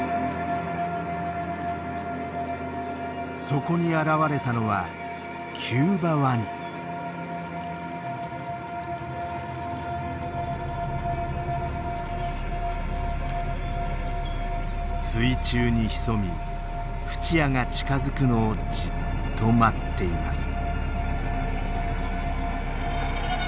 そこに現れたのは水中に潜みフチアが近づくのをじっと待っています。